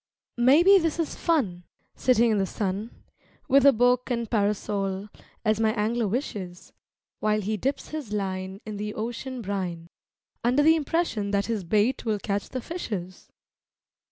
Maybe this is fun, sitting in the sun, With a book and parasol, as my Angler wishes, While he dips his line in the ocean brine, Under the impression that his bait will catch the fishes.